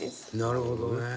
なるほどね！